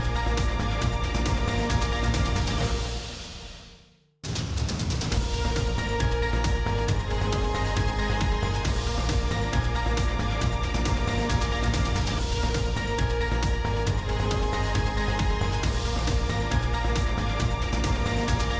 โปรดติดตามตอนต่อไป